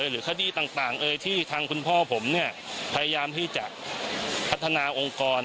หรือคดีต่างที่ทางคุณพ่อผมเนี่ยพยายามที่จะพัฒนาองค์กร